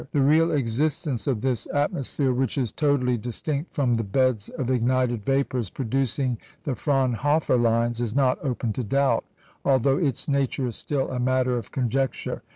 The real existence of this atmosphere, which is totally distinct from the beds of ignited vapours producing the Fraunhofer lines, is not open to doubt, although its nature is still a matter of conjecture.